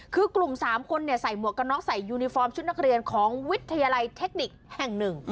คือกลุ่ม๓คนใส่หมวกกระน็อกใส่ยูนิฟอร์มชุดนักเรียนของวิทยาลัยเทคนิคแห่งหนึ่ง